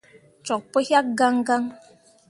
Cok pu yak gãn gãn.